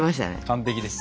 完璧です。